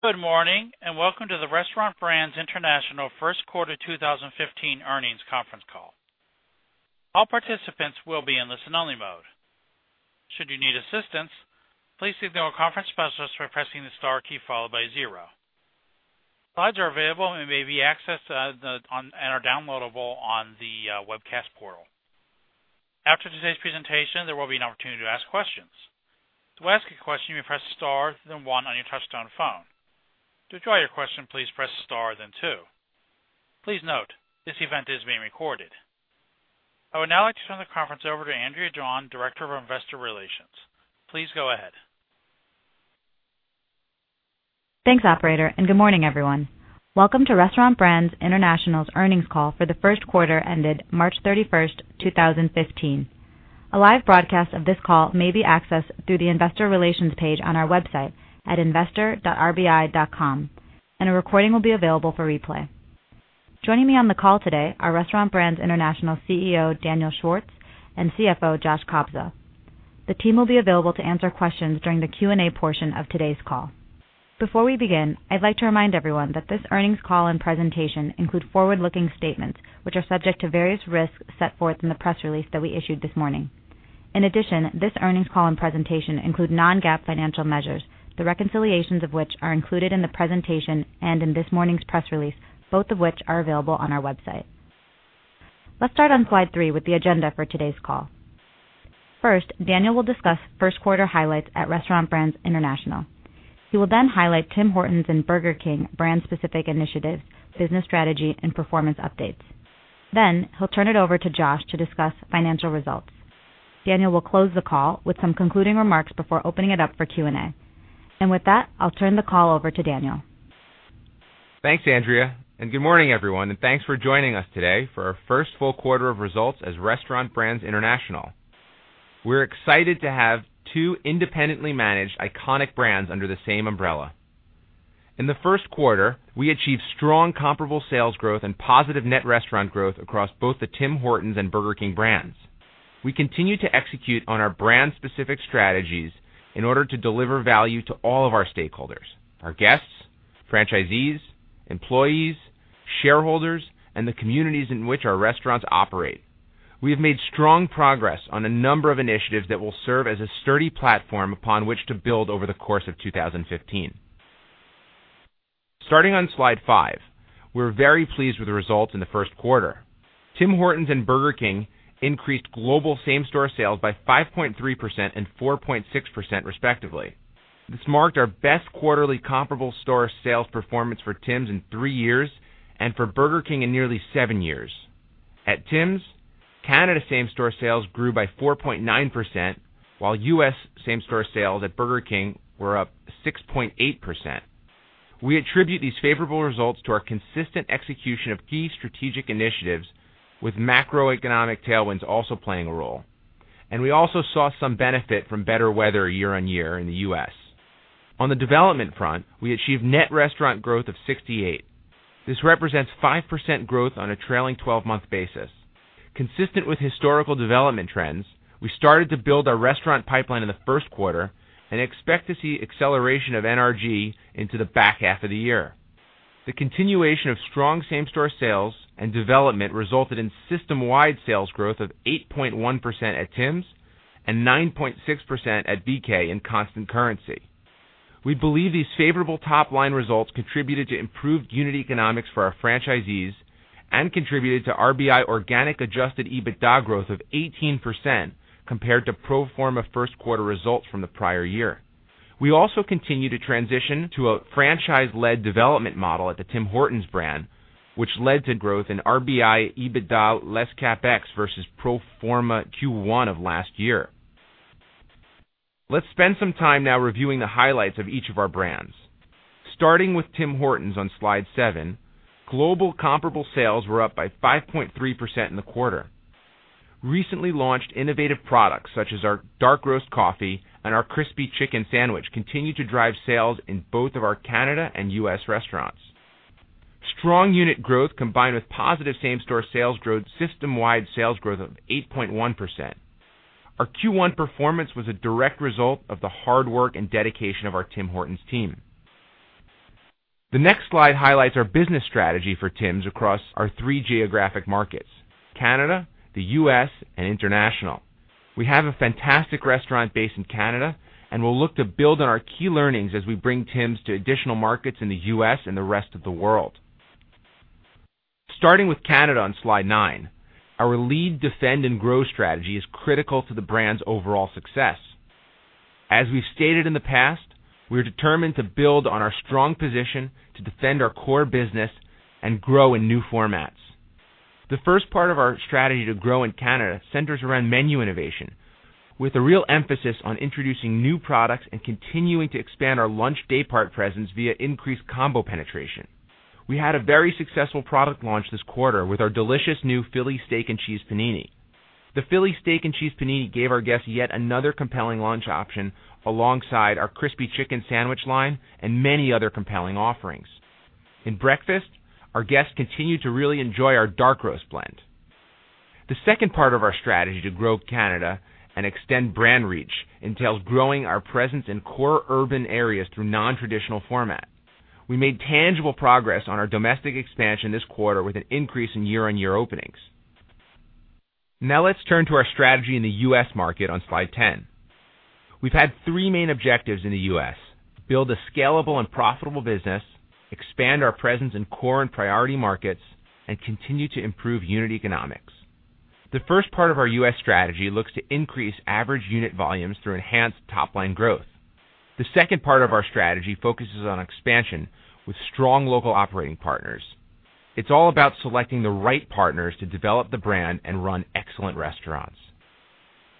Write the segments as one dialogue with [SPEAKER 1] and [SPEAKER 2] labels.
[SPEAKER 1] Good morning, and welcome to the Restaurant Brands International First Quarter 2015 Earnings Conference Call. All participants will be in listen only mode. Should you need assistance, please signal a conference specialist by pressing the star key followed by 0. Slides are available and may be accessed and are downloadable on the webcast portal. After today's presentation, there will be an opportunity to ask questions. To ask a question, you may press star then 1 on your touchtone phone. To withdraw your question, please press star then 2. Please note, this event is being recorded. I would now like to turn the conference over to Anisha Datt, Director of Investor Relations. Please go ahead.
[SPEAKER 2] Thanks, operator. Good morning, everyone. Welcome to Restaurant Brands International's earnings call for the first quarter ended March 31st, 2015. A live broadcast of this call may be accessed through the investor relations page on our website at investor.rbi.com. A recording will be available for replay. Joining me on the call today are Restaurant Brands International CEO, Daniel Schwartz, and CFO, Joshua Kobza. The team will be available to answer questions during the Q&A portion of today's call. Before we begin, I'd like to remind everyone that this earnings call and presentation include forward-looking statements, which are subject to various risks set forth in the press release that we issued this morning. This earnings call and presentation include non-GAAP financial measures, the reconciliations of which are included in the presentation and in this morning's press release, both of which are available on our website. Let's start on slide three with the agenda for today's call. First, Daniel will discuss first quarter highlights at Restaurant Brands International. He will highlight Tim Hortons and Burger King brand-specific initiatives, business strategy, and performance updates. He'll turn it over to Josh to discuss financial results. Daniel will close the call with some concluding remarks before opening it up for Q&A. With that, I'll turn the call over to Daniel.
[SPEAKER 3] Thanks, Anisha. Good morning, everyone, and thanks for joining us today for our first full quarter of results as Restaurant Brands International. We're excited to have two independently managed iconic brands under the same umbrella. In the first quarter, we achieved strong comparable sales growth and positive net restaurant growth across both the Tim Hortons and Burger King brands. We continue to execute on our brand-specific strategies in order to deliver value to all of our stakeholders, our guests, franchisees, employees, shareholders, and the communities in which our restaurants operate. We have made strong progress on a number of initiatives that will serve as a sturdy platform upon which to build over the course of 2015. Starting on slide five, we're very pleased with the results in the first quarter. Tim Hortons and Burger King increased global same-store sales by 5.3% and 4.6% respectively. This marked our best quarterly comparable store sales performance for Tim's in three years, and for Burger King in nearly seven years. At Tim's, Canada same-store sales grew by 4.9%, while U.S. same-store sales at Burger King were up 6.8%. We attribute these favorable results to our consistent execution of key strategic initiatives with macroeconomic tailwinds also playing a role. We also saw some benefit from better weather year-over-year in the U.S. On the development front, we achieved net restaurant growth of 68. This represents 5% growth on a trailing 12-month basis. Consistent with historical development trends, we started to build our restaurant pipeline in the first quarter and expect to see acceleration of NRG into the back half of the year. The continuation of strong same-store sales and development resulted in system-wide sales growth of 8.1% at Tim's and 9.6% at BK in constant currency. We believe these favorable top-line results contributed to improved unit economics for our franchisees and contributed to RBI organic adjusted EBITDA growth of 18% compared to pro forma first quarter results from the prior year. We also continue to transition to a franchise-led development model at the Tim Hortons brand, which led to growth in RBI EBITDA less CapEx versus pro forma Q1 of last year. Let's spend some time now reviewing the highlights of each of our brands. Starting with Tim Hortons on Slide seven, global comparable sales were up by 5.3% in the quarter. Recently launched innovative products such as our Dark Roast coffee and our Crispy Chicken Sandwich continue to drive sales in both of our Canada and U.S. restaurants. Strong unit growth, combined with positive same-store sales growth, system-wide sales growth of 8.1%. Our Q1 performance was a direct result of the hard work and dedication of our Tim Hortons team. The next slide highlights our business strategy for Tim's across our three geographic markets, Canada, the U.S., and international. We have a fantastic restaurant base in Canada, and we'll look to build on our key learnings as we bring Tim's to additional markets in the U.S. and the rest of the world. Starting with Canada on slide nine, our lead, defend, and grow strategy is critical to the brand's overall success. As we've stated in the past, we're determined to build on our strong position to defend our core business and grow in new formats. The first part of our strategy to grow in Canada centers around menu innovation with a real emphasis on introducing new products and continuing to expand our lunch daypart presence via increased combo penetration. We had a very successful product launch this quarter with our delicious new Philly Steak & Cheese Panini. The Philly Steak & Cheese Panini gave our guests yet another compelling lunch option alongside our Crispy Chicken Sandwich line and many other compelling offerings. In breakfast, our guests continued to really enjoy our Dark Roast blend. The second part of our strategy to grow Canada and extend brand reach entails growing our presence in core urban areas through non-traditional format. We made tangible progress on our domestic expansion this quarter with an increase in year-over-year openings. Now let's turn to our strategy in the U.S. market on slide 10. We've had three main objectives in the U.S., build a scalable and profitable business, expand our presence in core and priority markets, and continue to improve unit economics. The first part of our U.S. strategy looks to increase average unit volumes through enhanced top-line growth. The second part of our strategy focuses on expansion with strong local operating partners. It's all about selecting the right partners to develop the brand and run excellent restaurants.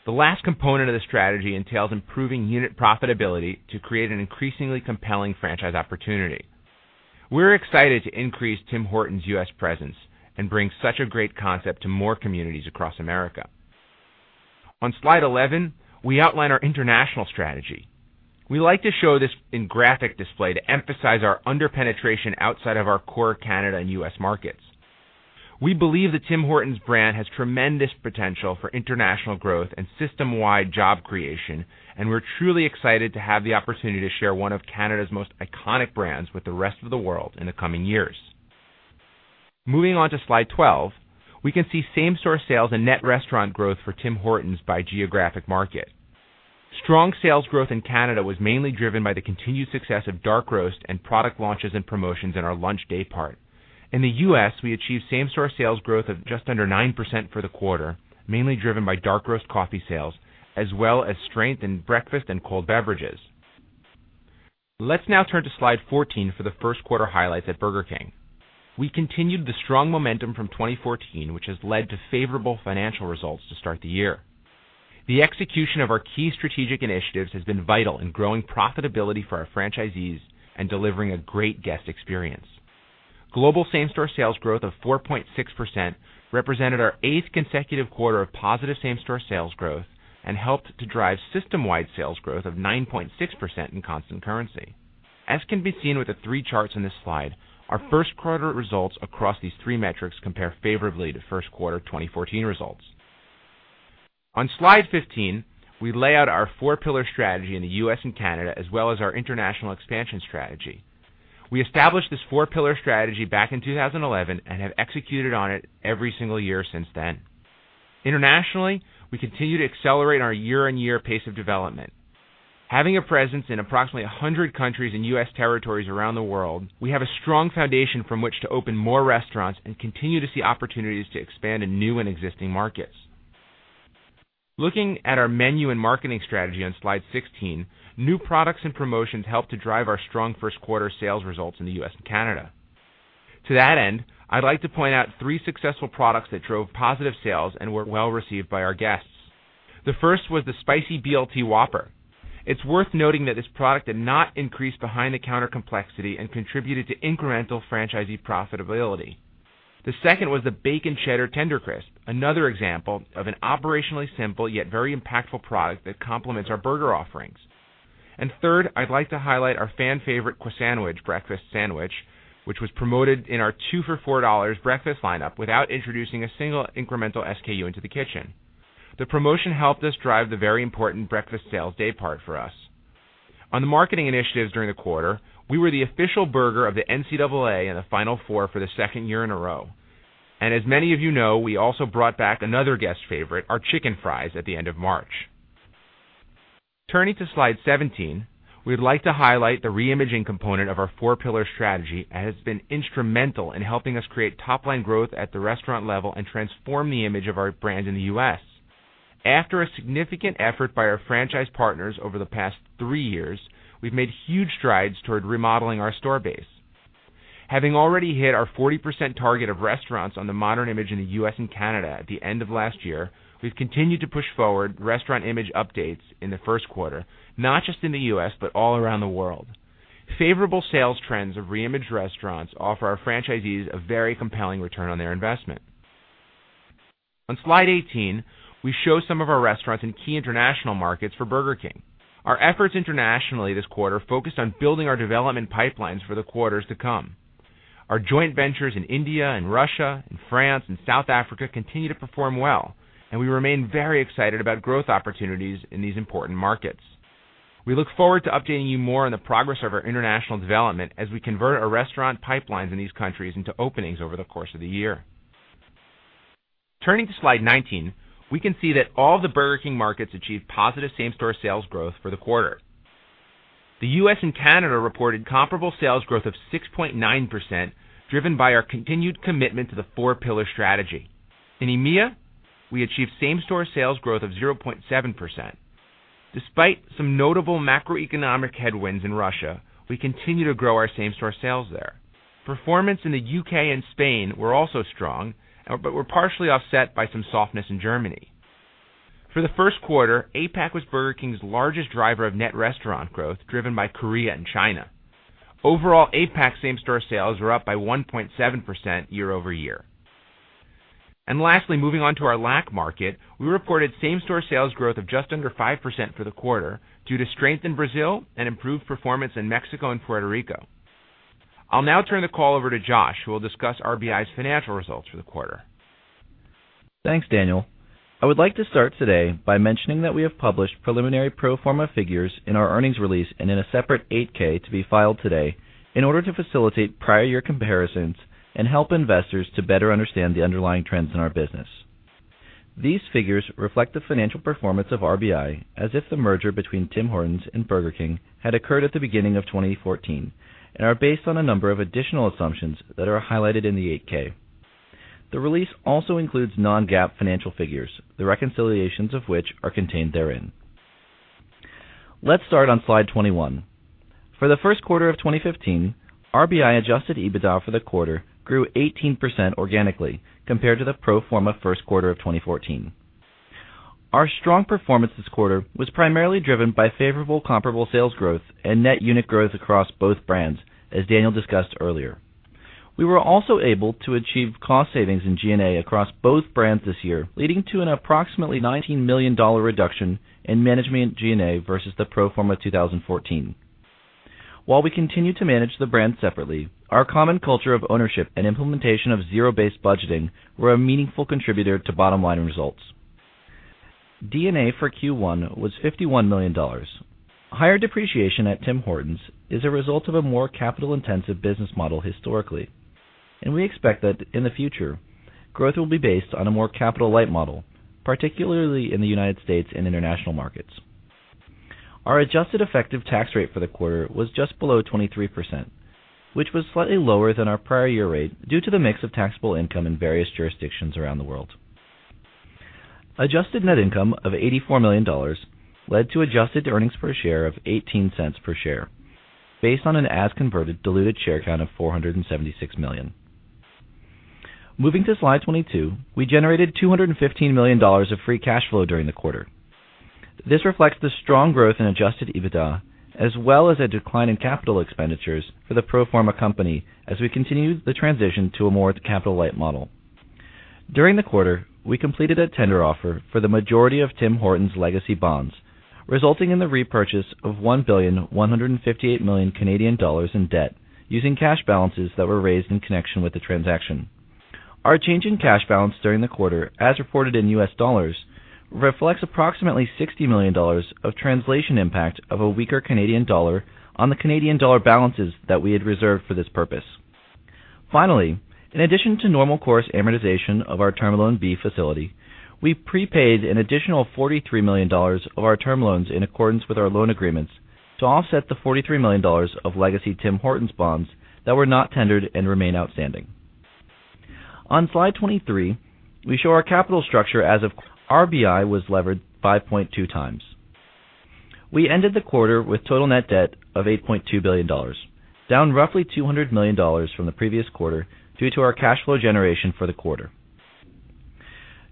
[SPEAKER 3] The last component of the strategy entails improving unit profitability to create an increasingly compelling franchise opportunity. We're excited to increase Tim Hortons U.S. presence and bring such a great concept to more communities across America. On slide 11, we outline our international strategy. We like to show this in graphic display to emphasize our under-penetration outside of our core Canada and U.S. markets. We believe the Tim Hortons brand has tremendous potential for international growth and system-wide job creation, we're truly excited to have the opportunity to share one of Canada's most iconic brands with the rest of the world in the coming years. Moving on to slide 12, we can see same-store sales and net restaurant growth for Tim Hortons by geographic market. Strong sales growth in Canada was mainly driven by the continued success of Dark Roast and product launches and promotions in our lunch day part. In the U.S., we achieved same-store sales growth of just under 9% for the quarter, mainly driven by Dark Roast coffee sales, as well as strength in breakfast and cold beverages. Let's now turn to slide 14 for the first quarter highlights at Burger King. We continued the strong momentum from 2014, which has led to favorable financial results to start the year. The execution of our key strategic initiatives has been vital in growing profitability for our franchisees and delivering a great guest experience. Global same-store sales growth of 4.6% represented our eighth consecutive quarter of positive same-store sales growth and helped to drive system-wide sales growth of 9.6% in constant currency. As can be seen with the three charts in this slide, our first quarter results across these three metrics compare favorably to first quarter 2014 results. On slide 15, we lay out our four pillar strategy in the U.S. and Canada, as well as our international expansion strategy. We established this four pillar strategy back in 2011 and have executed on it every single year since then. Internationally, we continue to accelerate our year-on-year pace of development. Having a presence in approximately 100 countries and U.S. territories around the world, we have a strong foundation from which to open more restaurants and continue to see opportunities to expand in new and existing markets. Looking at our menu and marketing strategy on slide 16, new products and promotions help to drive our strong first quarter sales results in the U.S. and Canada. To that end, I'd like to point out three successful products that drove positive sales and were well received by our guests. The first was the Spicy BLT WHOPPER. It's worth noting that this product did not increase behind-the-counter complexity and contributed to incremental franchisee profitability. The second was the Bacon Cheddar TenderCrisp, another example of an operationally simple, yet very impactful product that complements our burger offerings. Third, I'd like to highlight our fan favorite Croissan'wich breakfast sandwich, which was promoted in our two for 4 dollars breakfast lineup without introducing a single incremental SKU into the kitchen. The promotion helped us drive the very important breakfast sales day part for us. On the marketing initiatives during the quarter, we were the official burger of the NCAA and the Final Four for the second year in a row. As many of you know, we also brought back another guest favorite, our Chicken Fries, at the end of March. Turning to slide 17, we'd like to highlight the re-imaging component of our four pillar strategy, as it has been instrumental in helping us create top-line growth at the restaurant level and transform the image of our brand in the U.S. After a significant effort by our franchise partners over the past three years, we've made huge strides toward remodeling our store base. Having already hit our 40% target of restaurants on the modern image in the U.S. and Canada at the end of last year, we've continued to push forward restaurant image updates in the first quarter, not just in the U.S., but all around the world. Favorable sales trends of re-imaged restaurants offer our franchisees a very compelling return on their investment. On slide 18, we show some of our restaurants in key international markets for Burger King. Our efforts internationally this quarter focused on building our development pipelines for the quarters to come. Our joint ventures in India and Russia and France and South Africa continue to perform well, and we remain very excited about growth opportunities in these important markets. We look forward to updating you more on the progress of our international development as we convert our restaurant pipelines in these countries into openings over the course of the year. Turning to slide 19, we can see that all the Burger King markets achieved positive same-store sales growth for the quarter. The U.S. and Canada reported comparable sales growth of 6.9%, driven by our continued commitment to the four pillar strategy. In EMEA, we achieved same-store sales growth of 0.7%. Despite some notable macroeconomic headwinds in Russia, we continue to grow our same-store sales there. Performance in the U.K. and Spain were also strong but were partially offset by some softness in Germany. For the first quarter, APAC was Burger King's largest driver of net restaurant growth, driven by Korea and China. Overall, APAC same-store sales were up by 1.7% year-over-year. Lastly, moving on to our LAC market, we reported same-store sales growth of just under 5% for the quarter due to strength in Brazil and improved performance in Mexico and Puerto Rico. I'll now turn the call over to Josh, who will discuss RBI's financial results for the quarter.
[SPEAKER 4] Thanks, Daniel. I would like to start today by mentioning that we have published preliminary pro forma figures in our earnings release and in a separate 8-K to be filed today in order to facilitate prior year comparisons and help investors to better understand the underlying trends in our business. These figures reflect the financial performance of RBI as if the merger between Tim Hortons and Burger King had occurred at the beginning of 2014 and are based on a number of additional assumptions that are highlighted in the 8-K. The release also includes non-GAAP financial figures, the reconciliations of which are contained therein. Let's start on slide 21. For the first quarter of 2015, RBI adjusted EBITDA for the quarter grew 18% organically compared to the pro forma first quarter of 2014. Our strong performance this quarter was primarily driven by favorable comparable sales growth and net unit growth across both brands, as Daniel discussed earlier. We were also able to achieve cost savings in G&A across both brands this year, leading to an approximately 19 million dollar reduction in management G&A versus the pro forma 2014. While we continue to manage the brands separately, our common culture of ownership and implementation of zero-based budgeting were a meaningful contributor to bottom-line results. D&A for Q1 was 51 million dollars. Higher depreciation at Tim Hortons is a result of a more capital-intensive business model historically, and we expect that in the future, growth will be based on a more capital light model, particularly in the U.S. and international markets. Our adjusted effective tax rate for the quarter was just below 23%, which was slightly lower than our prior year rate due to the mix of taxable income in various jurisdictions around the world. Adjusted net income of 84 million dollars led to adjusted earnings per share of 0.18 per share based on an as converted diluted share count of 476 million. Moving to slide 22, we generated 215 million dollars of free cash flow during the quarter. This reflects the strong growth in adjusted EBITDA, as well as a decline in capital expenditures for the pro forma company as we continued the transition to a more capital light model. During the quarter, we completed a tender offer for the majority of Tim Hortons legacy bonds, resulting in the repurchase of 1,158,000,000 Canadian dollars in debt using cash balances that were raised in connection with the transaction. Our change in cash balance during the quarter, as reported in U.S. dollars, reflects approximately $60 million of translation impact of a weaker Canadian dollar on the Canadian dollar balances that we had reserved for this purpose. Finally, in addition to normal course amortization of our Term Loan B facility, we prepaid an additional 43 million dollars of our term loans in accordance with our loan agreements to offset the 43 million dollars of legacy Tim Hortons bonds that were not tendered and remain outstanding. On slide 23, we show our capital structure as of RBI was levered 5.2 times. We ended the quarter with total net debt of 8.2 billion dollars, down roughly 200 million dollars from the previous quarter due to our cash flow generation for the quarter.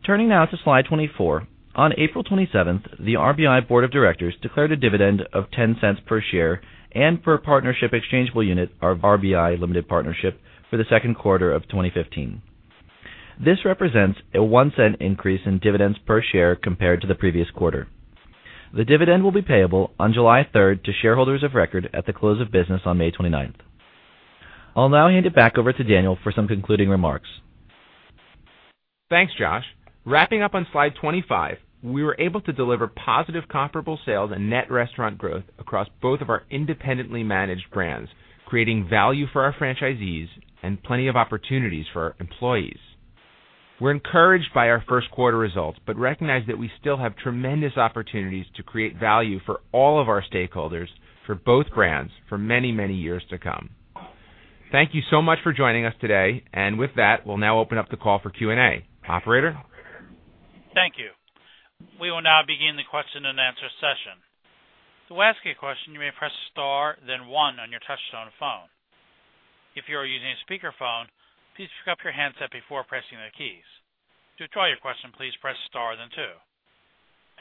[SPEAKER 4] Turning now to slide 24, on April 27th, the RBI Board of Directors declared a dividend of 0.10 per share and per partnership exchangeable unit of RBI Limited Partnership for the second quarter of 2015. This represents a 0.01 increase in dividends per share compared to the previous quarter. The dividend will be payable on July 3rd to shareholders of record at the close of business on May 29th. I'll now hand it back over to Daniel for some concluding remarks.
[SPEAKER 3] Thanks, Josh. Wrapping up on slide 25, we were able to deliver positive comparable sales and net restaurant growth across both of our independently managed brands, creating value for our franchisees and plenty of opportunities for our employees. We're encouraged by our first quarter results, recognize that we still have tremendous opportunities to create value for all of our stakeholders for both brands for many, many years to come. Thank you so much for joining us today, and with that, we'll now open up the call for Q&A. Operator?
[SPEAKER 1] Thank you. We will now begin the question and answer session. To ask a question, you may press star then one on your touchtone phone. If you are using a speakerphone, please pick up your handset before pressing the keys. To withdraw your question, please press star then two.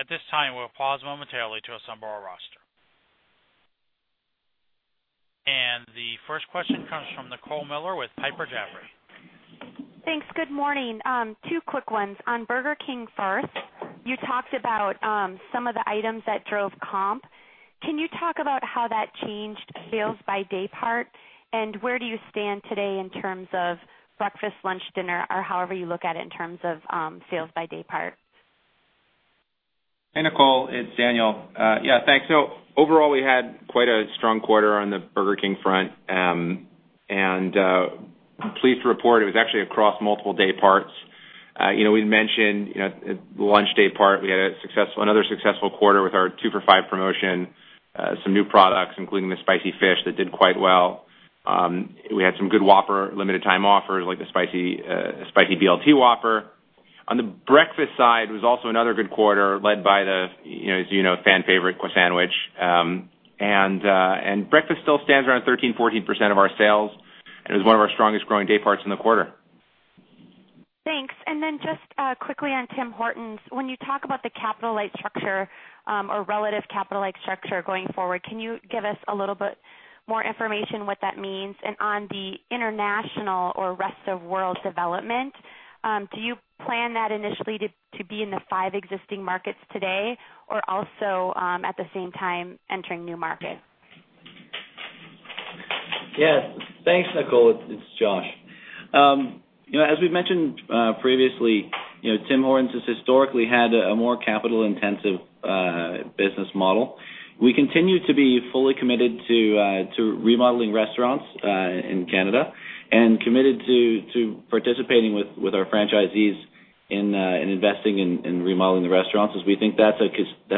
[SPEAKER 1] At this time, we'll pause momentarily to assemble our roster. The first question comes from Nicole Miller with Piper Jaffray.
[SPEAKER 5] Thanks. Good morning. Two quick ones. On Burger King first, you talked about some of the items that drove comp. Can you talk about how that changed sales by day part? Where do you stand today in terms of breakfast, lunch, dinner, or however you look at it in terms of sales by day part?
[SPEAKER 3] Hey, Nicole, it's Daniel. Thanks. Overall, we had quite a strong quarter on the Burger King front, and I'm pleased to report it was actually across multiple day parts. We mentioned lunch day part, we had another successful quarter with our Two For Five promotion, some new products, including the Spicy Fish, that did quite well. We had some good WHOPPER limited time offers, like the Spicy BLT WHOPPER. On the breakfast side, it was also another good quarter led by the fan favorite, Croissan'wich. Breakfast still stands around 13%, 14% of our sales. It was one of our strongest growing day parts in the quarter.
[SPEAKER 5] Thanks. Just quickly on Tim Hortons, when you talk about the capital-light structure or relative capital-light structure going forward, can you give us a little bit more information what that means? On the international or rest of world development Do you plan that initially to be in the five existing markets today or also at the same time entering new markets?
[SPEAKER 4] Yes. Thanks, Nicole. It's Josh. As we've mentioned previously, Tim Hortons has historically had a more capital-intensive business model. We continue to be fully committed to remodeling restaurants in Canada and committed to participating with our franchisees in investing in remodeling the restaurants as we think that's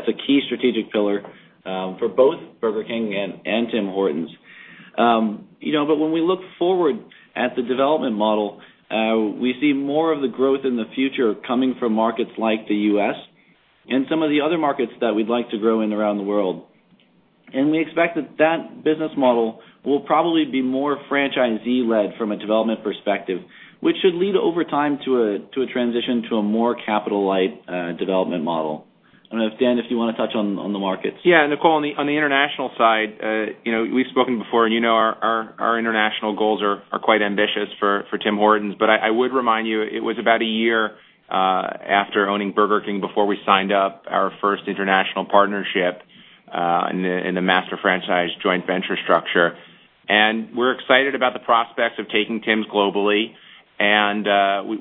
[SPEAKER 4] a key strategic pillar for both Burger King and Tim Hortons. When we look forward at the development model, we see more of the growth in the future coming from markets like the U.S. and some of the other markets that we'd like to grow in around the world. We expect that business model will probably be more franchisee-led from a development perspective, which should lead over time to a more capital-light development model. I don't know if, Dan, if you want to touch on the markets.
[SPEAKER 3] Nicole, on the international side, we've spoken before, you know our international goals are quite ambitious for Tim Hortons. I would remind you, it was about a year after owning Burger King before we signed up our first international partnership in the master franchise joint venture structure. We're excited about the prospects of taking Tim's globally, and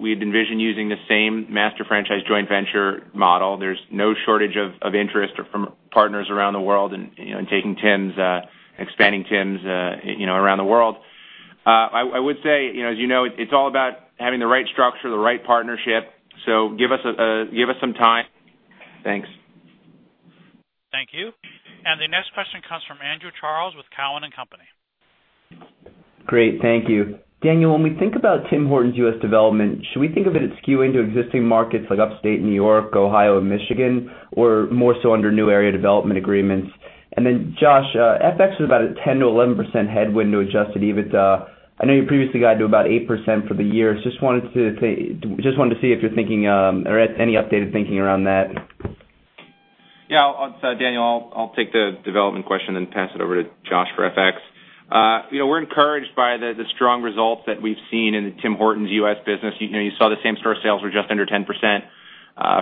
[SPEAKER 3] we'd envision using the same master franchise joint venture model. There's no shortage of interest from partners around the world in taking Tim's, expanding Tim's around the world. I would say, as you know, it's all about having the right structure, the right partnership. Give us some time. Thanks.
[SPEAKER 1] Thank you. The next question comes from Andrew Charles with Cowen and Company.
[SPEAKER 6] Great. Thank you. Daniel, when we think about Tim Hortons U.S. development, should we think of it as skew into existing markets like Upstate New York, Ohio, and Michigan, or more so under new area development agreements? Josh, FX was about a 10%-11% headwind to adjusted EBITDA. I know you previously guided to about 8% for the year. Just wanted to see if there's any updated thinking around that.
[SPEAKER 3] Yeah. Daniel, I'll take the development question and pass it over to Josh for FX. We're encouraged by the strong results that we've seen in the Tim Hortons U.S. business. You saw the same-store sales were just under 10%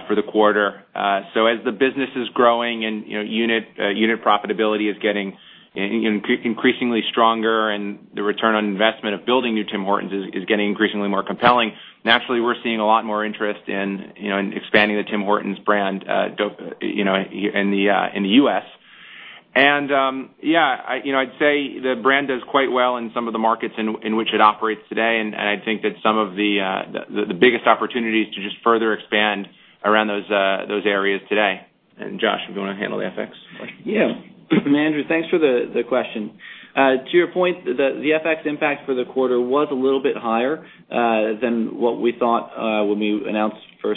[SPEAKER 3] for the quarter. As the business is growing and unit profitability is getting increasingly stronger and the return on investment of building new Tim Hortons is getting increasingly more compelling, naturally, we're seeing a lot more interest in expanding the Tim Hortons brand in the U.S. Yeah, I'd say the brand does quite well in some of the markets in which it operates today, I think that some of the biggest opportunities to just further expand around those areas today. Josh, if you want to handle the FX question.
[SPEAKER 4] Yeah. Andrew, thanks for the question. To your point, the FX impact for the quarter was a little bit higher than what we thought when we announced the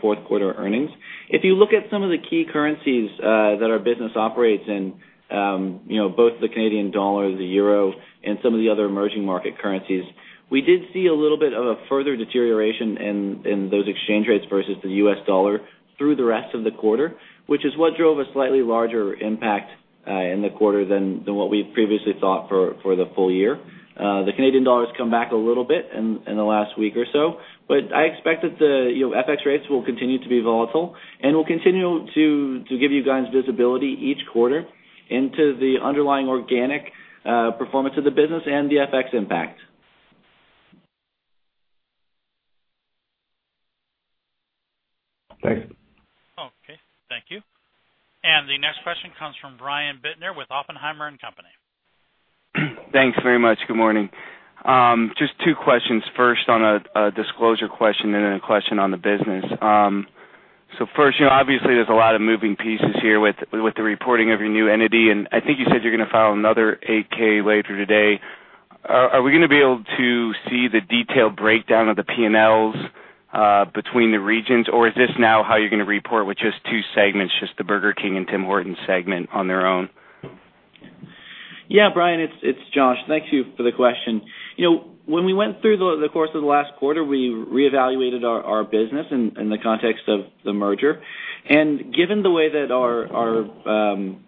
[SPEAKER 4] fourth quarter earnings. If you look at some of the key currencies that our business operates in, both the Canadian dollar, the euro, and some of the other emerging market currencies, we did see a little bit of a further deterioration in those exchange rates versus the US dollar through the rest of the quarter, which is what drove a slightly larger impact in the quarter than what we had previously thought for the full year. The Canadian dollar's come back a little bit in the last week or so. I expect that the FX rates will continue to be volatile, and we'll continue to give you guys visibility each quarter into the underlying organic performance of the business and the FX impact.
[SPEAKER 6] Thanks.
[SPEAKER 1] Okay. Thank you. The next question comes from Brian Bittner with Oppenheimer & Co.
[SPEAKER 7] Thanks very much. Good morning. Just two questions. First, on a disclosure question, then a question on the business. First, obviously, there's a lot of moving pieces here with the reporting of your new entity, and I think you said you're going to file another 8-K later today. Are we going to be able to see the detailed breakdown of the P&Ls between the regions? Or is this now how you're going to report with just two segments, just the Burger King and Tim Hortons segment on their own?
[SPEAKER 4] Yeah, Brian, it's Josh. Thank you for the question. When we went through the course of the last quarter, we reevaluated our business in the context of the merger. Given the way that our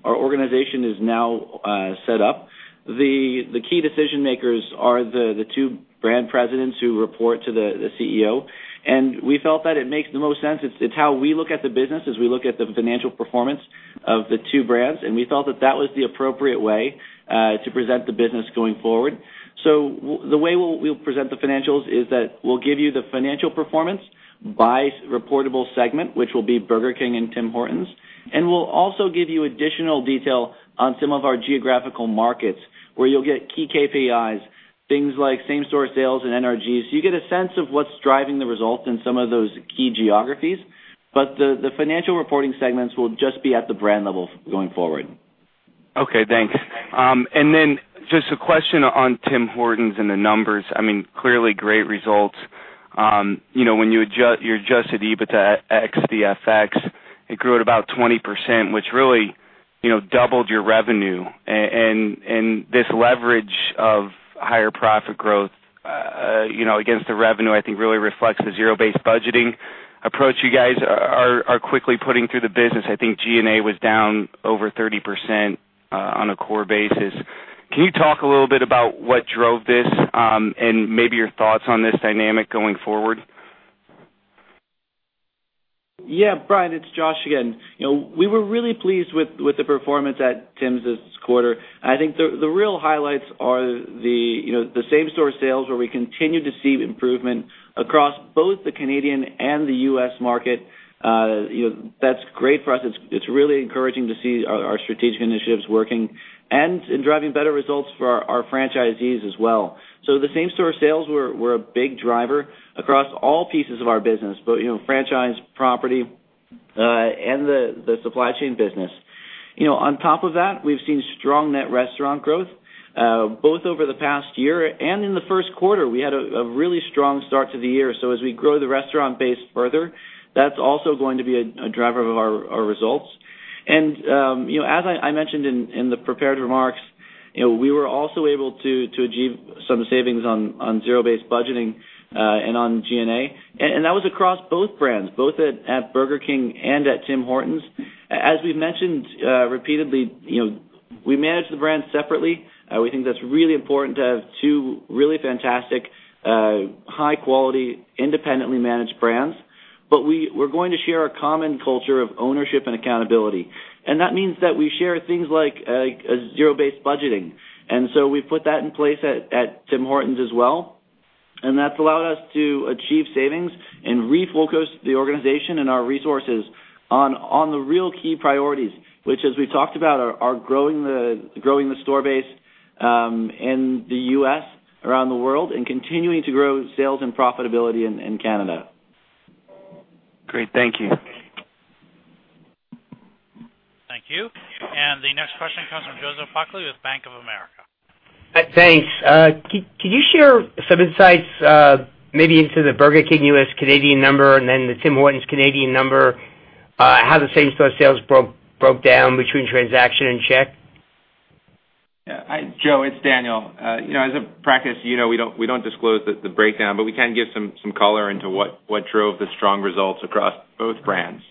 [SPEAKER 4] organization is now set up, the key decision-makers are the two brand presidents who report to the CEO, and we felt that it makes the most sense. It's how we look at the business as we look at the financial performance of the two brands, and we felt that that was the appropriate way to present the business going forward. The way we'll present the financials is that we'll give you the financial performance by reportable segment, which will be Burger King and Tim Hortons, and we'll also give you additional detail on some of our geographical markets where you'll get key KPIs, things like same-store sales and NRGs. You get a sense of what's driving the results in some of those key geographies. The financial reporting segments will just be at the brand level going forward.
[SPEAKER 7] Okay, thanks. Just a question on Tim Hortons and the numbers. Clearly great results. When you adjusted EBITDA ex the FX, it grew at about 20%, which really doubled your revenue. This leverage of higher profit growth against the revenue, I think really reflects the zero-based budgeting approach you guys are quickly putting through the business. I think G&A was down over 30% on a core basis. Can you talk a little bit about what drove this and maybe your thoughts on this dynamic going forward?
[SPEAKER 4] Yeah, Brian, it's Josh again. We were really pleased with the performance at Tim's this quarter. I think the real highlights are the same-store sales, where we continue to see improvement across both the Canadian and the U.S. market. That's great for us. It's really encouraging to see our strategic initiatives working and in driving better results for our franchisees as well. The same-store sales were a big driver across all pieces of our business, both franchise, property, and the supply chain business. On top of that, we've seen strong net restaurant growth, both over the past year and in the first quarter. We had a really strong start to the year. As we grow the restaurant base further, that's also going to be a driver of our results. As I mentioned in the prepared remarks, we were also able to achieve some savings on zero-based budgeting, on G&A, and that was across both brands, both at Burger King and at Tim Hortons. As we've mentioned repeatedly, we manage the brands separately. We think that's really important to have two really fantastic, high-quality, independently managed brands. We're going to share a common culture of ownership and accountability, and that means that we share things like zero-based budgeting. We put that in place at Tim Hortons as well, and that's allowed us to achieve savings and refocus the organization and our resources on the real key priorities, which, as we talked about, are growing the store base, in the U.S., around the world, and continuing to grow sales and profitability in Canada.
[SPEAKER 7] Great. Thank you.
[SPEAKER 1] Thank you. The next question comes from Joseph Buckley with Bank of America.
[SPEAKER 8] Thanks. Can you share some insights, maybe into the Burger King U.S. Canadian number and then the Tim Hortons Canadian number, how the same-store sales broke down between transaction and check?
[SPEAKER 3] Yeah. Joe, it's Daniel. As a practice, you know we don't disclose the breakdown, but we can give some color into what drove the strong results across both brands.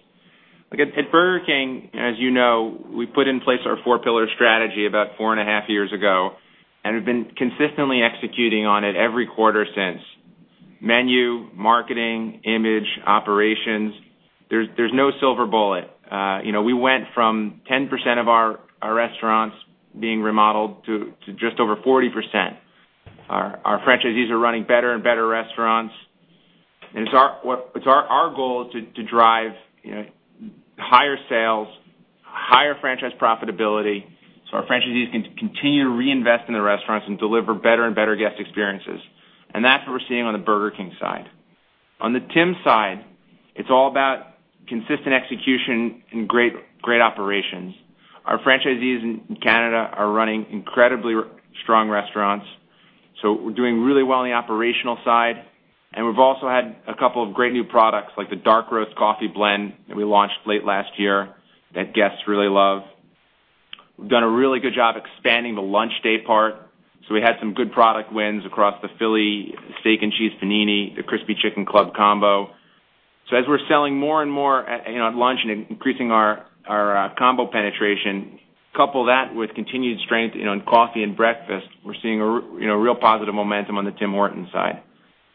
[SPEAKER 3] Again, at Burger King, as you know, we put in place our four-pillar strategy about four and a half years ago and have been consistently executing on it every quarter since. Menu, marketing, image, operations. There's no silver bullet. We went from 10% of our restaurants being remodeled to just over 40%. Our franchisees are running better and better restaurants. Our goal is to drive higher sales, higher franchise profitability, so our franchisees can continue to reinvest in the restaurants and deliver better and better guest experiences. That's what we're seeing on the Burger King side. On the Tim side, it's all about consistent execution and great operations. Our franchisees in Canada are running incredibly strong restaurants. We're doing really well on the operational side, and we've also had a couple of great new products, like the Dark Roast coffee blend that we launched late last year that guests really love. We've done a really good job expanding the lunch day part. We had some good product wins across the Philly Steak & Cheese Panini, the Crispy Chicken Club Sandwich. As we're selling more and more at lunch and increasing our combo penetration, couple that with continued strength in coffee and breakfast, we're seeing a real positive momentum on the Tim Hortons side.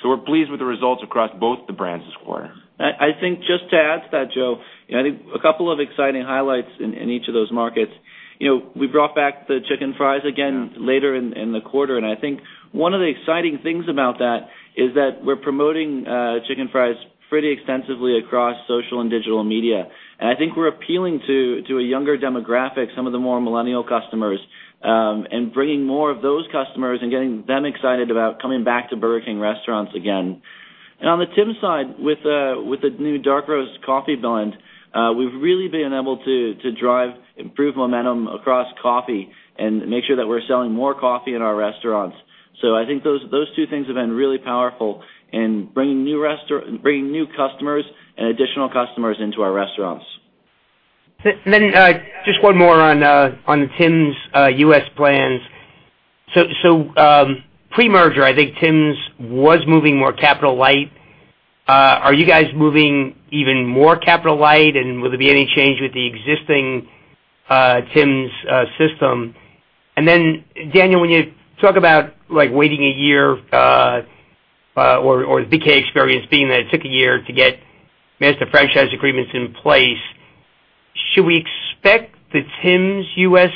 [SPEAKER 3] We're pleased with the results across both the brands this quarter.
[SPEAKER 4] I think just to add to that, Joe, I think a couple of exciting highlights in each of those markets. We brought back the Chicken Fries again later in the quarter. I think one of the exciting things about that is that we're promoting Chicken Fries pretty extensively across social and digital media. I think we're appealing to a younger demographic, some of the more millennial customers, and bringing more of those customers and getting them excited about coming back to Burger King restaurants again. On the Tim side, with the new Dark Roast coffee blend, we've really been able to drive improved momentum across coffee and make sure that we're selling more coffee in our restaurants. I think those two things have been really powerful in bringing new customers and additional customers into our restaurants.
[SPEAKER 8] Just one more on the Tim's U.S. plans. Pre-merger, I think Tim's was moving more capital light. Are you guys moving even more capital light, and will there be any change with the existing Tim's system? Daniel, when you talk about waiting a year or the BK experience being that it took a year to get master franchise agreements in place, should we expect the Tim's U.S.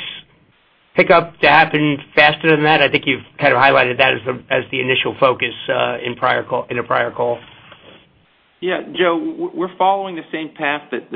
[SPEAKER 8] pickup to happen faster than that? I think you've kind of highlighted that as the initial focus in a prior call.
[SPEAKER 3] Joe, we're following the same path that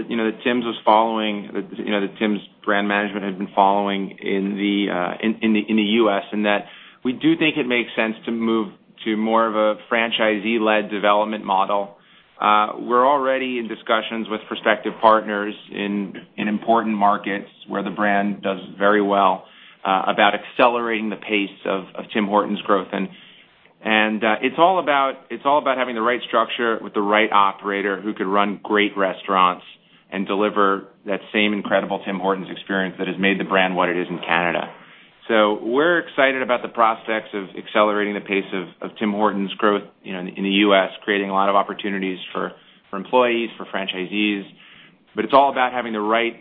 [SPEAKER 3] Tim's brand management had been following in the U.S., in that we do think it makes sense to move to more of a franchisee-led development model. We're already in discussions with prospective partners in important markets where the brand does very well about accelerating the pace of Tim Hortons growth and it's all about having the right structure with the right operator who could run great restaurants and deliver that same incredible Tim Hortons experience that has made the brand what it is in Canada. We're excited about the prospects of accelerating the pace of Tim Hortons growth in the U.S., creating a lot of opportunities for employees, for franchisees. It's all about having the right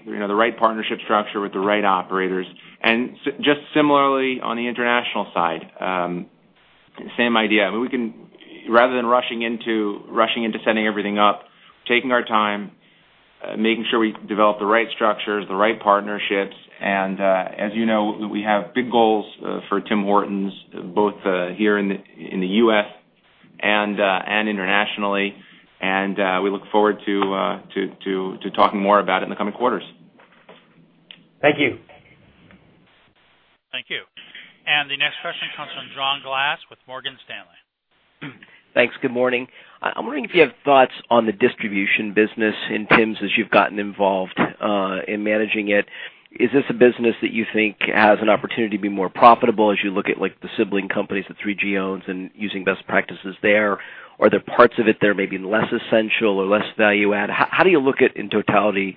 [SPEAKER 3] partnership structure with the right operators, and just similarly on the international side, same idea. Rather than rushing into setting everything up, taking our time, making sure we develop the right structures, the right partnerships. As you know, we have big goals for Tim Hortons, both here in the U.S. and internationally, and we look forward to talking more about it in the coming quarters.
[SPEAKER 8] Thank you.
[SPEAKER 1] Thank you. The next question comes from John Glass with Morgan Stanley.
[SPEAKER 9] Thanks. Good morning. I'm wondering if you have thoughts on the distribution business in Tims as you've gotten involved in managing it. Is this a business that you think has an opportunity to be more profitable as you look at the sibling companies that 3G owns and using best practices there? Are there parts of it that are maybe less essential or less value-add? How do you look at, in totality,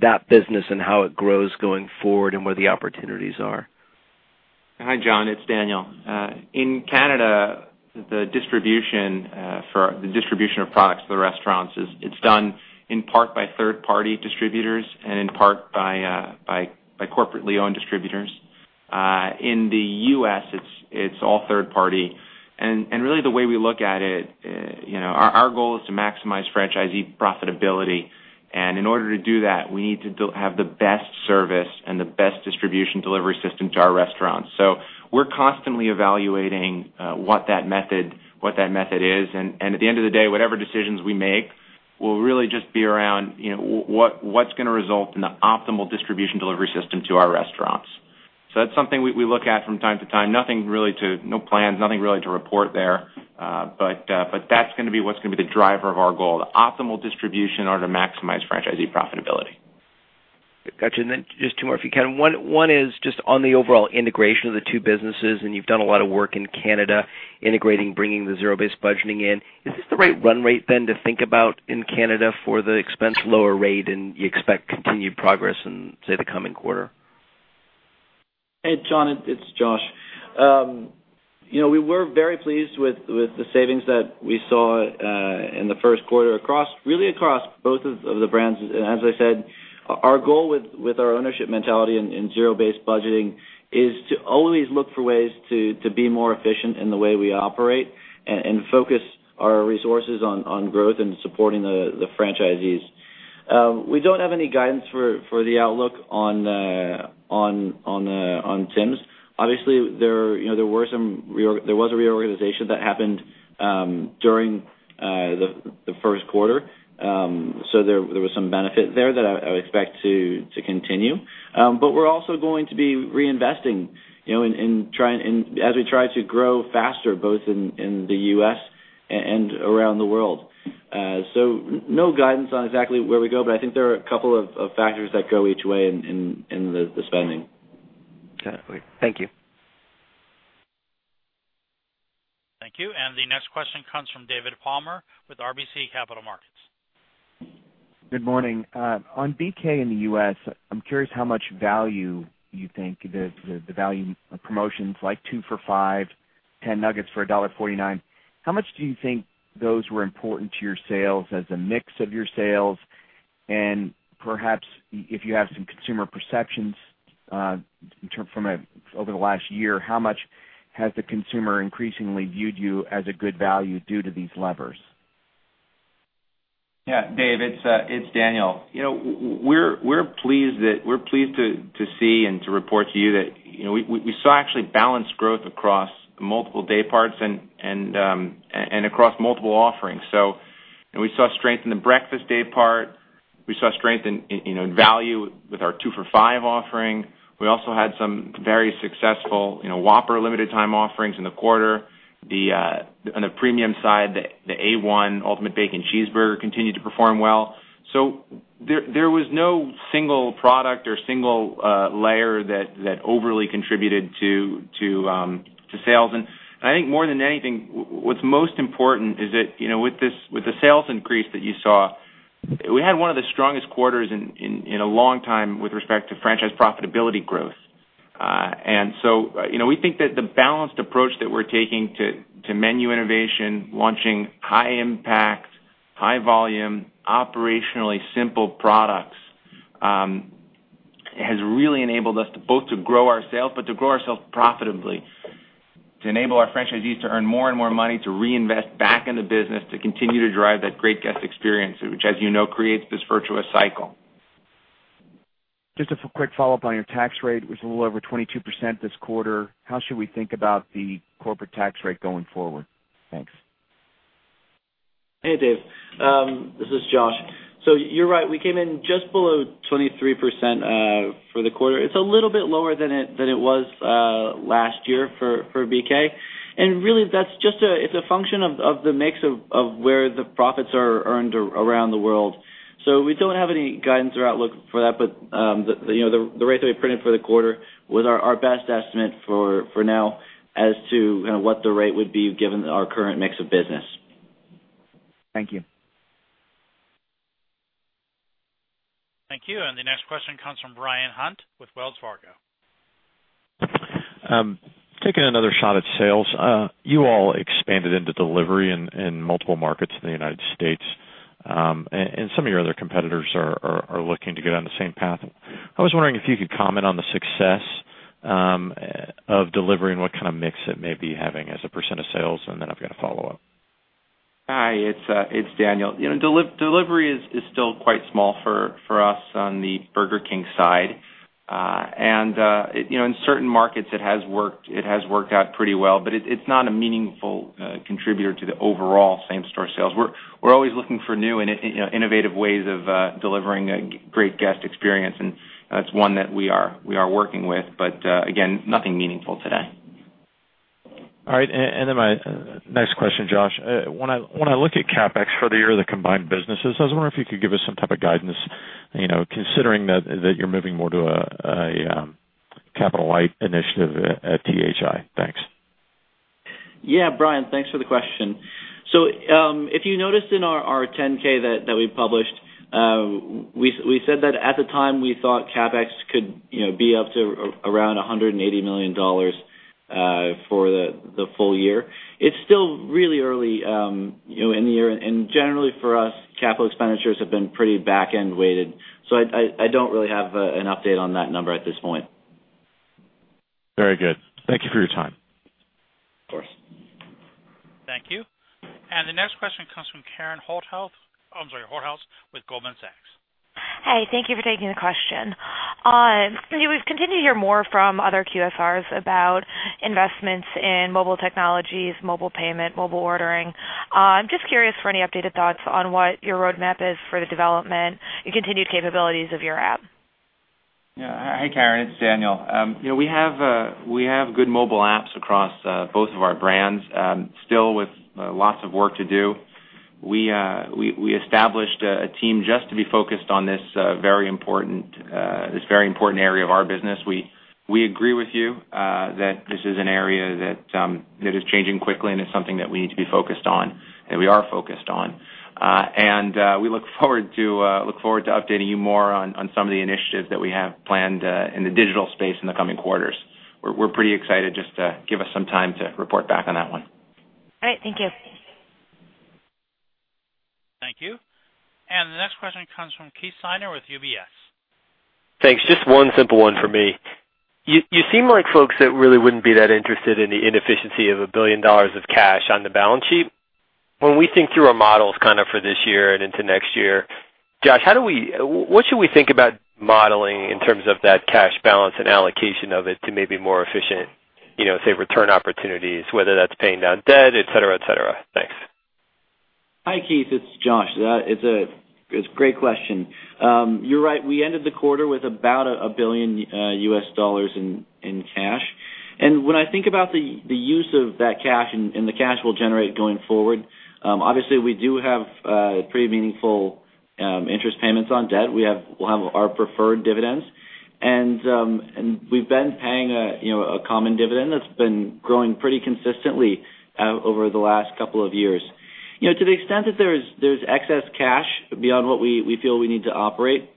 [SPEAKER 9] that business and how it grows going forward and where the opportunities are?
[SPEAKER 3] Hi, John, it's Daniel. In Canada, the distribution of products to the restaurants, it's done in part by third-party distributors and in part by corporately-owned distributors. In the U.S., it's all third party. Really the way we look at it, our goal is to maximize franchisee profitability, and in order to do that, we need to have the best service and the best distribution delivery system to our restaurants. We're constantly evaluating what that method is, and at the end of the day, whatever decisions we make will really just be around what's going to result in the optimal distribution delivery system to our restaurants. That's something we look at from time to time. No plans, nothing really to report there. That's going to be what's going to be the driver of our goal, the optimal distribution in order to maximize franchisee profitability.
[SPEAKER 9] Got you. Just two more, if you can. One is just on the overall integration of the two businesses, and you've done a lot of work in Canada integrating, bringing the zero-based budgeting in. Is this the right run rate then to think about in Canada for the expense lower rate, and you expect continued progress in, say, the coming quarter?
[SPEAKER 4] Hey, John, it's Josh. We were very pleased with the savings that we saw in the first quarter really across both of the brands. As I said, our goal with our ownership mentality in zero-based budgeting is to always look for ways to be more efficient in the way we operate and focus our resources on growth and supporting the franchisees. We don't have any guidance for the outlook on Tims. Obviously, there was a reorganization that happened during the first quarter, there was some benefit there that I would expect to continue. We're also going to be reinvesting as we try to grow faster, both in the U.S. and around the world. No guidance on exactly where we go, but I think there are a couple of factors that go each way in the spending.
[SPEAKER 9] Got it. Thank you.
[SPEAKER 1] Thank you. The next question comes from David Palmer with RBC Capital Markets.
[SPEAKER 10] Good morning. On BK in the U.S., I'm curious how much value you think the value promotions, like 2 for 5, 10 nuggets for dollar 1.49, how much do you think those were important to your sales as a mix of your sales? Perhaps if you have some consumer perceptions over the last year, how much has the consumer increasingly viewed you as a good value due to these levers?
[SPEAKER 3] Yeah. Dave, it's Daniel. We're pleased to see and to report to you that we saw actually balanced growth across multiple day parts and across multiple offerings. We saw strength in the breakfast day part. We saw strength in value with our 2 for 5 offering. We also had some very successful WHOPPER limited time offerings in the quarter. On the premium side, the A.1. Ultimate Bacon Cheeseburger continued to perform well. There was no single product or single layer that overly contributed to sales. I think more than anything, what's most important is that with the sales increase that you saw, we had one of the strongest quarters in a long time with respect to franchise profitability growth. We think that the balanced approach that we're taking to menu innovation, launching high impact, high volume, operationally simple products, has really enabled us both to grow our sales, but to grow ourselves profitably. To enable our franchisees to earn more and more money, to reinvest back in the business, to continue to drive that great guest experience, which, as you know, creates this virtuous cycle.
[SPEAKER 10] Just a quick follow-up on your tax rate. It was a little over 22% this quarter. How should we think about the corporate tax rate going forward? Thanks.
[SPEAKER 4] Hey, Dave. This is Josh. You're right. We came in just below 23% for the quarter. It's a little bit lower than it was last year for BK. Really, it's a function of the mix of where the profits are earned around the world. We don't have any guidance or outlook for that, but the rate that we printed for the quarter was our best estimate for now as to what the rate would be given our current mix of business.
[SPEAKER 10] Thank you.
[SPEAKER 1] Thank you. The next question comes from Brian Harbour with Wells Fargo.
[SPEAKER 11] Taking another shot at sales. You all expanded into delivery in multiple markets in the U.S., some of your other competitors are looking to go down the same path. I was wondering if you could comment on the success of delivery and what kind of mix it may be having as a % of sales, I've got a follow-up.
[SPEAKER 3] Hi, it's Daniel. Delivery is still quite small for us on the Burger King side. In certain markets, it has worked out pretty well, but it's not a meaningful contributor to the overall same-store sales. We're always looking for new and innovative ways of delivering a great guest experience, that's one that we are working with. Again, nothing meaningful today.
[SPEAKER 11] All right. My next question, Josh. When I look at CapEx for the year of the combined businesses, I was wondering if you could give us some type of guidance, considering that you're moving more to a capital-light initiative at THI. Thanks.
[SPEAKER 4] Brian, thanks for the question. If you noticed in our 10-K that we published, we said that at the time, we thought CapEx could be up to around 180 million dollars for the full year. It's still really early in the year, and generally for us, capital expenditures have been pretty back-end weighted. I don't really have an update on that number at this point.
[SPEAKER 11] Very good. Thank you for your time.
[SPEAKER 4] Of course.
[SPEAKER 1] Thank you. The next question comes from Karen Holthouse with Goldman Sachs.
[SPEAKER 12] Hey, thank you for taking the question. We've continued to hear more from other QSRs about investments in mobile technologies, mobile payment, mobile ordering. I'm just curious for any updated thoughts on what your roadmap is for the development and continued capabilities of your app.
[SPEAKER 3] Yeah. Hi, Karen. It's Daniel. We have good mobile apps across both of our brands, still with lots of work to do. We established a team just to be focused on this very important area of our business. We agree with you that this is an area that is changing quickly, and it's something that we need to be focused on and we are focused on. We look forward to updating you more on some of the initiatives that we have planned in the digital space in the coming quarters. We're pretty excited just to give us some time to report back on that one.
[SPEAKER 12] All right. Thank you.
[SPEAKER 1] Thank you. The next question comes from Keith Siegner with UBS.
[SPEAKER 13] Thanks. Just one simple one for me. You seem like folks that really wouldn't be that interested in the inefficiency of 1 billion dollars of cash on the balance sheet. When we think through our models kind of for this year and into next year, Josh, what should we think about modeling in terms of that cash balance and allocation of it to maybe more efficient, say, return opportunities, whether that's paying down debt, et cetera? Thanks.
[SPEAKER 4] Hi, Keith. It's Josh. It's a great question. You're right, we ended the quarter with about $1 billion U.S. dollars in cash. When I think about the use of that cash and the cash we'll generate going forward, obviously, we do have pretty meaningful interest payments on debt. We'll have our preferred dividends, and we've been paying a common dividend that's been growing pretty consistently over the last couple of years. To the extent that there's excess cash beyond what we feel we need to operate,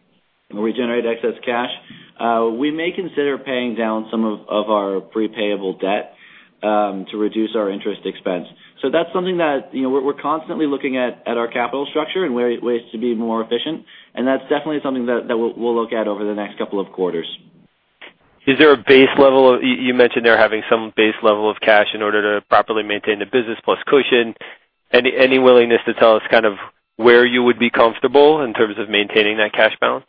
[SPEAKER 4] and we generate excess cash, we may consider paying down some of our pre-payable debt to reduce our interest expense. That's something that we're constantly looking at our capital structure and ways to be more efficient, and that's definitely something that we'll look at over the next couple of quarters.
[SPEAKER 13] Is there a base level? You mentioned there having some base level of cash in order to properly maintain the business plus cushion. Any willingness to tell us kind of where you would be comfortable in terms of maintaining that cash balance?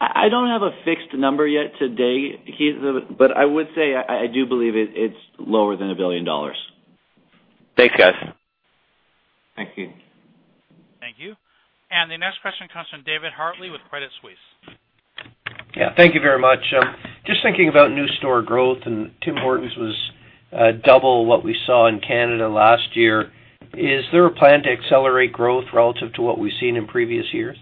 [SPEAKER 4] I don't have a fixed number yet today, Keith, but I would say, I do believe it's lower than $1 billion.
[SPEAKER 13] Thanks, guys.
[SPEAKER 4] Thank you.
[SPEAKER 1] Thank you. The next question comes from David Hartley with Credit Suisse.
[SPEAKER 14] Yeah, thank you very much. Just thinking about new store growth, and Tim Hortons was double what we saw in Canada last year. Is there a plan to accelerate growth relative to what we've seen in previous years?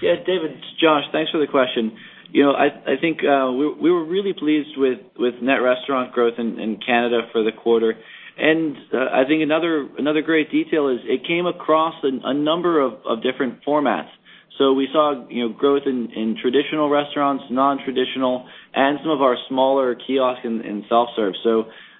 [SPEAKER 4] David, it's Josh. Thanks for the question. I think we were really pleased with net restaurant growth in Canada for the quarter. I think another great detail is it came across a number of different formats. We saw growth in traditional restaurants, non-traditional, and some of our smaller kiosks and self-serve.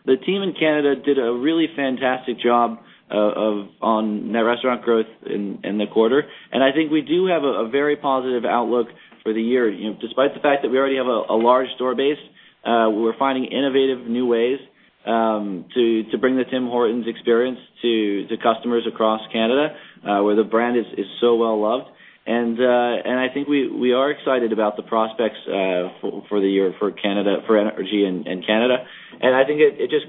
[SPEAKER 4] The team in Canada did a really fantastic job on net restaurant growth in the quarter, and I think we do have a very positive outlook for the year. Despite the fact that we already have a large store base, we are finding innovative new ways to bring the Tim Hortons experience to customers across Canada, where the brand is so well-loved. I think we are excited about the prospects for the year for Canada, for NRG and Canada. I think it just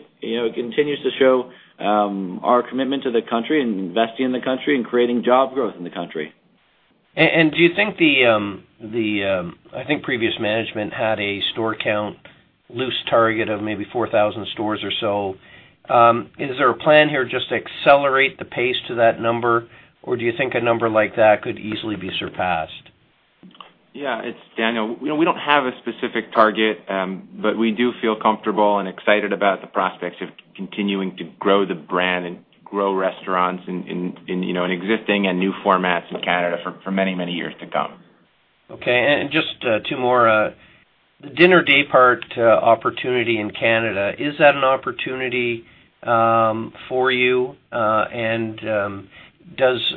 [SPEAKER 4] continues to show our commitment to the country and investing in the country and creating job growth in the country.
[SPEAKER 14] Do you think the I think previous management had a store count loose target of maybe 4,000 stores or so. Is there a plan here just to accelerate the pace to that number, or do you think a number like that could easily be surpassed?
[SPEAKER 3] It's Daniel. We don't have a specific target, but we do feel comfortable and excited about the prospects of continuing to grow the brand and grow restaurants in existing and new formats in Canada for many, many years to come.
[SPEAKER 14] Okay, just two more. The dinner daypart opportunity in Canada, is that an opportunity for you? And does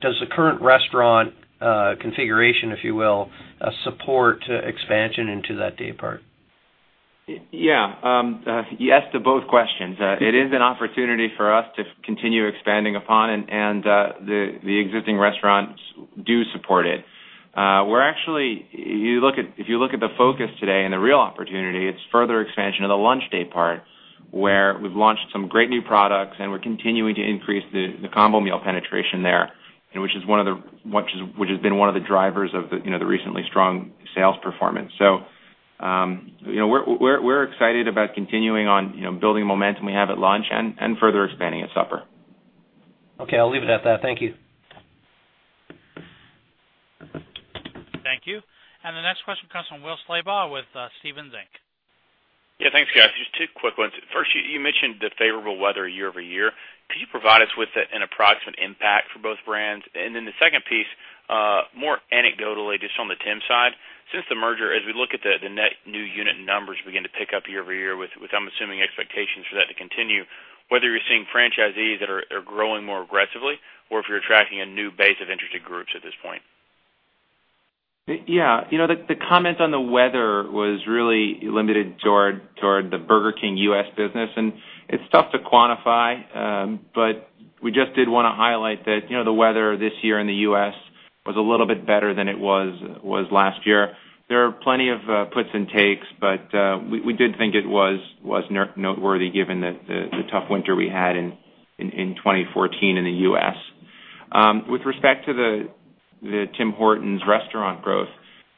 [SPEAKER 14] the current restaurant configuration, if you will, support expansion into that daypart?
[SPEAKER 3] Yeah. Yes to both questions. It is an opportunity for us to continue expanding upon, and the existing restaurants do support it. If you look at the focus today and the real opportunity, it's further expansion of the lunch daypart, where we've launched some great new products, and we're continuing to increase the combo meal penetration there, which has been one of the drivers of the recently strong sales performance. We're excited about continuing on building the momentum we have at lunch and further expanding at supper.
[SPEAKER 14] Okay. I'll leave it at that. Thank you.
[SPEAKER 1] Thank you. The next question comes from Will Slabaugh with Stephens Inc.
[SPEAKER 15] Thanks guys. Just two quick ones. First, you mentioned the favorable weather year-over-year. Could you provide us with an approximate impact for both brands? The second piece, more anecdotally, just on the Tim Hortons side, since the merger, as we look at the net new unit numbers begin to pick up year-over-year with, I'm assuming, expectations for that to continue, whether you're seeing franchisees that are growing more aggressively or if you're attracting a new base of interested groups at this point.
[SPEAKER 3] The comment on the weather was really limited toward the Burger King U.S. business, it's tough to quantify. We just did want to highlight that the weather this year in the U.S. was a little bit better than it was last year. There are plenty of puts and takes, we did think it was noteworthy given the tough winter we had in 2014 in the U.S. With respect to the Tim Hortons restaurant growth,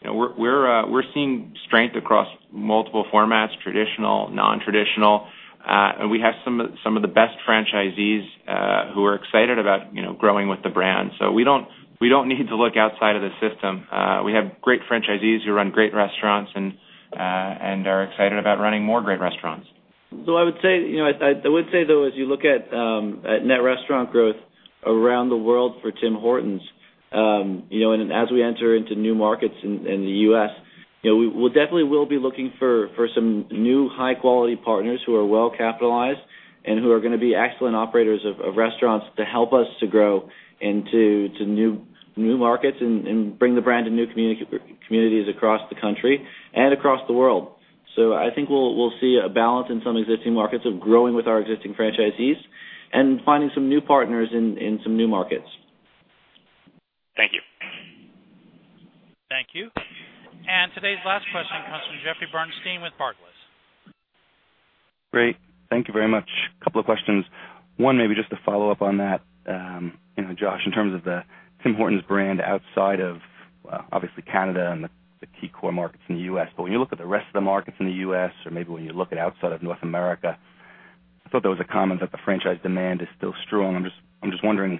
[SPEAKER 3] we're seeing strength across multiple formats, traditional, non-traditional, and we have some of the best franchisees who are excited about growing with the brand. We don't need to look outside of the system. We have great franchisees who run great restaurants and are excited about running more great restaurants.
[SPEAKER 4] I would say, though, as you look at net restaurant growth around the world for Tim Hortons, and as we enter into new markets in the U.S., we definitely will be looking for some new high-quality partners who are well-capitalized and who are going to be excellent operators of restaurants to help us to grow into new markets and bring the brand to new communities across the country and across the world. I think we'll see a balance in some existing markets of growing with our existing franchisees and finding some new partners in some new markets.
[SPEAKER 15] Thank you.
[SPEAKER 1] Thank you. Today's last question comes from Jeffrey Bernstein with Barclays.
[SPEAKER 16] Great. Thank you very much. Couple of questions. One, maybe just to follow up on that, Josh, in terms of the Tim Hortons brand outside of, obviously Canada and the key core markets in the U.S., but when you look at the rest of the markets in the U.S., or maybe when you look at outside of North America, I thought there was a comment that the franchise demand is still strong. I'm just wondering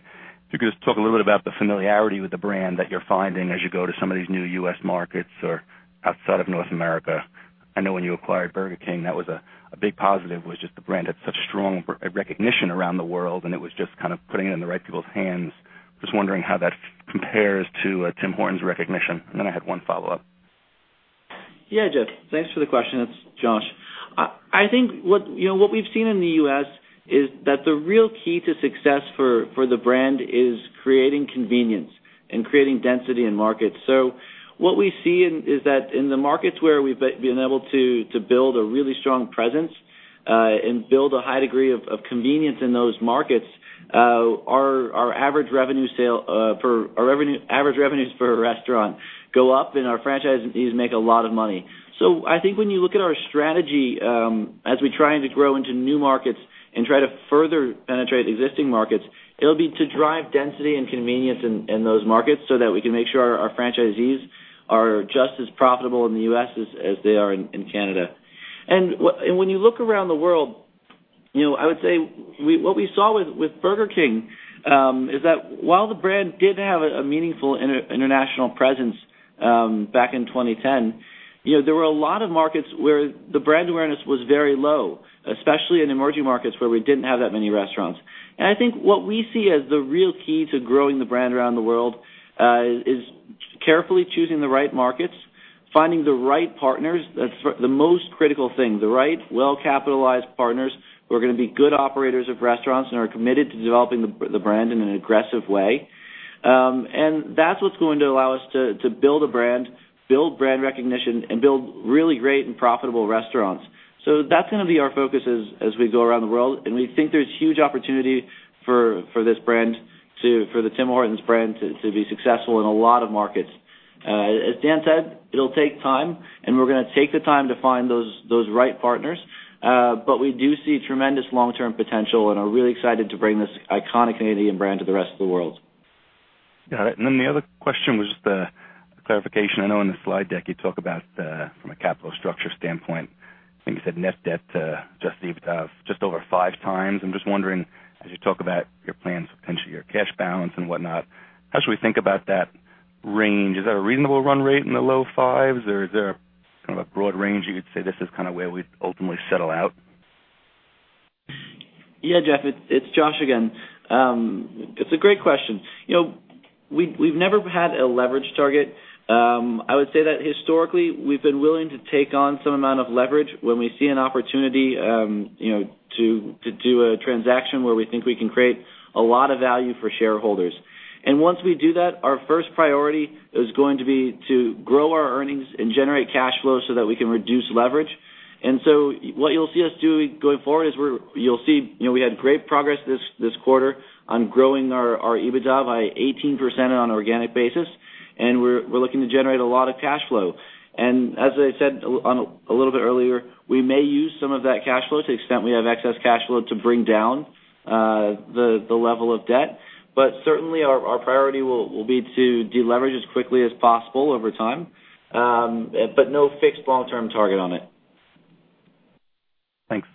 [SPEAKER 16] if you could just talk a little bit about the familiarity with the brand that you're finding as you go to some of these new U.S. markets or outside of North America. I know when you acquired Burger King, that was a big positive, was just the brand had such strong recognition around the world, and it was just kind of putting it in the right people's hands. Just wondering how that compares to Tim Hortons' recognition. I had one follow-up.
[SPEAKER 4] Yeah, Jeff, thanks for the question. It's Josh. I think what we've seen in the U.S. is that the real key to success for the brand is creating convenience and creating density in markets. What we see is that in the markets where we've been able to build a really strong presence and build a high degree of convenience in those markets, our average revenues for a restaurant go up, and our franchisees make a lot of money. I think when you look at our strategy as we try and to grow into new markets and try to further penetrate existing markets, it'll be to drive density and convenience in those markets so that we can make sure our franchisees are just as profitable in the U.S. as they are in Canada. When you look around the world, I would say what we saw with Burger King is that while the brand did have a meaningful international presence back in 2010, there were a lot of markets where the brand awareness was very low, especially in emerging markets where we didn't have that many restaurants. I think what we see as the real key to growing the brand around the world is carefully choosing the right markets, finding the right partners. That's the most critical thing, the right well-capitalized partners who are going to be good operators of restaurants and are committed to developing the brand in an aggressive way. That's what's going to allow us to build a brand, build brand recognition, and build really great and profitable restaurants. That's going to be our focus as we go around the world, and we think there's huge opportunity for the Tim Hortons brand to be successful in a lot of markets. As Dan said, it'll take time, and we're going to take the time to find those right partners. We do see tremendous long-term potential and are really excited to bring this iconic Canadian brand to the rest of the world.
[SPEAKER 16] Got it. The other question was just a clarification. I know in the slide deck you talk about from a capital structure standpoint I think you said net debt, just over 5x. I'm just wondering, as you talk about your plans to potentially your cash balance and whatnot, how should we think about that range? Is that a reasonable run rate in the low 5s or is there a broad range you could say this is where we'd ultimately settle out?
[SPEAKER 4] Yeah, Jeff, it's Josh again. It's a great question. We've never had a leverage target. I would say that historically, we've been willing to take on some amount of leverage when we see an opportunity to do a transaction where we think we can create a lot of value for shareholders. Once we do that, our first priority is going to be to grow our earnings and generate cash flow so that we can reduce leverage. What you'll see us doing going forward is you'll see, we had great progress this quarter on growing our EBITDA by 18% on an organic basis, and we're looking to generate a lot of cash flow. As I said a little bit earlier, we may use some of that cash flow to the extent we have excess cash flow to bring down the level of debt. Certainly our priority will be to deleverage as quickly as possible over time. No fixed long-term target on it.
[SPEAKER 16] Thanks.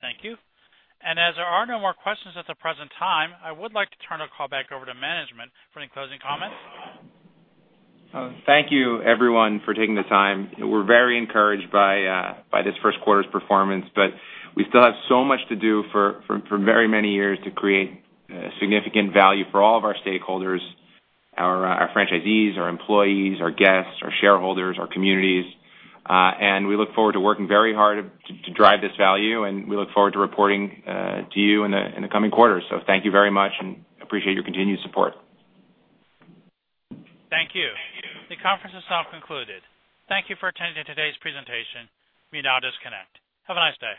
[SPEAKER 1] Thank you. As there are no more questions at the present time, I would like to turn the call back over to management for any closing comments.
[SPEAKER 3] Thank you everyone for taking the time. We're very encouraged by this first quarter's performance, but we still have so much to do for very many years to create significant value for all of our stakeholders, our franchisees, our employees, our guests, our shareholders, our communities. We look forward to working very hard to drive this value, and we look forward to reporting to you in the coming quarters. Thank you very much and appreciate your continued support.
[SPEAKER 1] Thank you. The conference is now concluded. Thank you for attending today's presentation. You may now disconnect. Have a nice day.